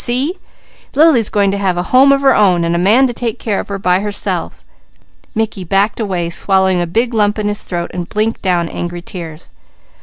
See? Lily's going to have a home of her own, and a man to take care of her by herself." Mickey backed away, swallowing a big lump in his throat, and blinking down angry tears.